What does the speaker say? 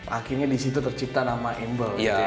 akhirnya di situ tercipta nama embl gitu ya